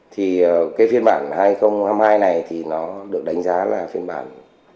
thì cái phiên bản hai nghìn hai mươi hai này thì nó được đánh giá là phiên bản